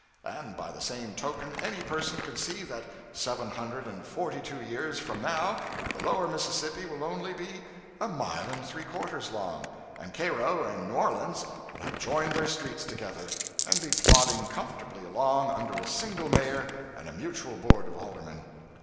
And by the same token any person can see that seven hundred and forty two years from now the Lower Mississippi will be only a mile and three quarters long, and Cairo and New Orleans will have joined their streets together, and be plodding comfortably along under a single mayor and a mutual board of aldermen.